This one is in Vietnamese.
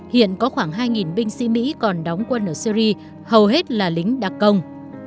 hiện có khoảng hai binh sĩ mỹ còn đóng quân ở syri hầu hết là lính đặc công